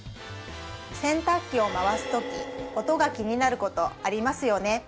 洗濯機を回すとき音が気になることありますよね？